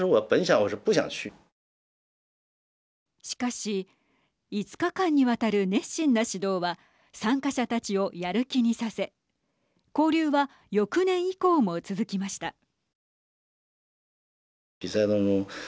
しかし、５日間にわたる熱心な指導は参加者たちをやる気にさせ交流は翌年以降も続きました。